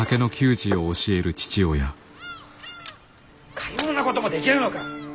かようなこともできぬのか！